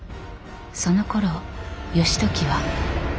そのころ義時は。